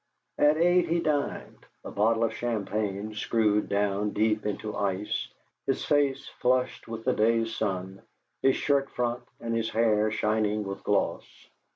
At eight he dined, a bottle of champagne screwed deep down into ice, his face flushed with the day's sun, his shirt front and his hair shining with gloss.